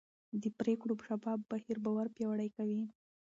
د پرېکړو شفاف بهیر باور پیاوړی کوي